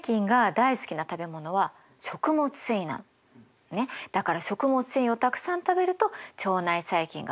だから食物繊維をたくさん食べると腸内細菌が増えるといわれてるの。